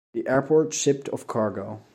The airport shipped of cargo.